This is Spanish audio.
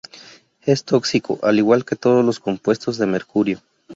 Es tóxico, al igual que todos los compuestos de mercurio.